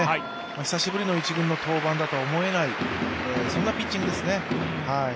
久しぶりの１軍の登板だとは思えないピッチングですね。